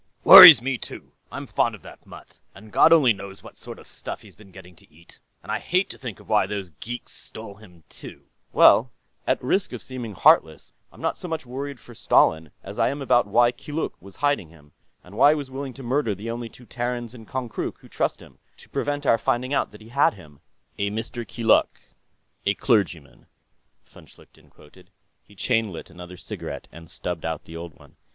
"Worries me, too. I'm fond of that mutt, and God only knows what sort of stuff he's been getting to eat. And I hate to think of why those geeks stole him, too." "Well, at risk of seeming heartless, I'm not so much worried for Stalin as I am about why Keeluk was hiding him, and why he was willing to murder the only two Terrans in Konkrook who trust him, to prevent our finding out that he had him." "A Mr. Keeluk, a clergyman," von Schlichten quoted. He chain lit another cigarette and stubbed out the old one.